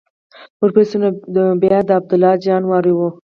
ورپسې نو بیا د عبدالله جان وار و.